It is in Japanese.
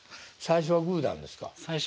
最初はグーですか？